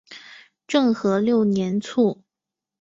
政和六年卒。